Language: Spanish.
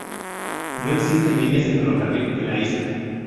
No existen líneas de ferrocarril en la isla.